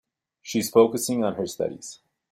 She's focusing on her studies.